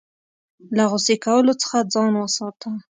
له غوسې کولو څخه ځان وساته .